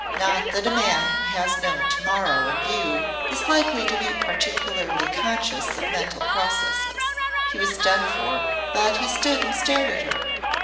Not that a man who has no To morrow in view is likely to be particularly conscious of mental processes. He was done for, but he stood and stared at her.